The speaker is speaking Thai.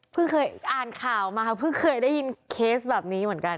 เคยอ่านข่าวมาเพิ่งเคยได้ยินเคสแบบนี้เหมือนกัน